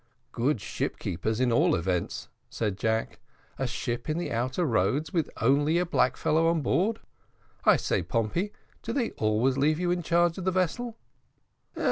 "Good ship keepers, at all events," said Jack. "A ship in the outer roads with only a black fellow on board! I say, Pompey, do they always leave you in charge of the vessel?"